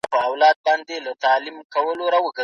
کله خلګ په ازاده توګه خپل نظر څرګندوي؟